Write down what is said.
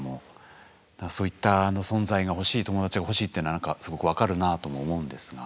そういった存在が欲しい友達が欲しいっていうのはなんかすごく分かるなとも思うんですが。